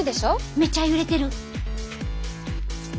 めちゃ揺れてる。